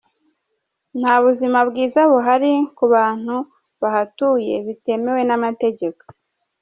Nta buzima bwiza buhari ku bantu bahatuye bitemewe n’amategeko.